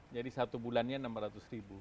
jadi satu bulannya enam ratus ribu